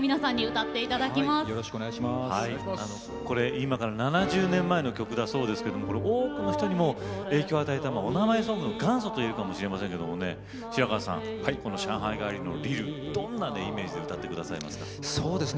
今から７０年前の曲だそうですけど多くの人に影響を与えたお名前ソングの元祖といえるかもしれませんけどね白川さん、この「上海帰りのリル」どんなイメージで歌っていらっしゃいますか？